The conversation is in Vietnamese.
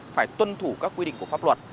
phải tuân thủ các quy định của pháp luật